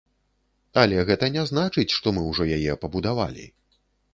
Але гэта не значыць, што мы ўжо яе пабудавалі.